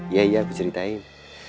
iya aku ceritain